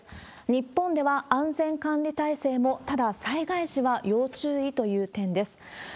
日本では安全管理体制も、ただ災害時は要注意という点です。